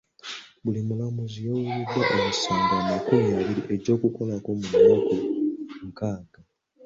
Buli mulamuzi yaweereddwa emisango amakumi abiri egy'okukolako mu nnaku nkaaga.